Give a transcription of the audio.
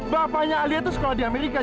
bapaknya ahli itu sekolah di amerika